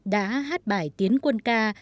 đã hát bài tiến quân ca